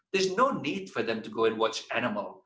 tidak perlu mereka pergi dan menonton animal